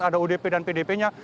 ada odp dan pdp nya